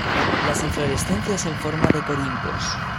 Las inflorescencias en forma de corimbos.